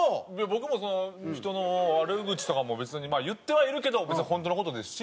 僕も人の悪口とかも別に言ってはいるけど本当の事ですし。